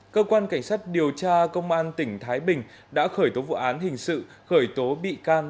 cơ quan cảnh sát điều tra công an tỉnh thái bình đã khởi tố vụ án hình sự khởi tố bị can